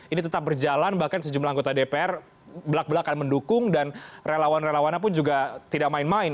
ini tetap berjalan bahkan sejumlah anggota dpr belak belakan mendukung dan relawan relawannya pun juga tidak main main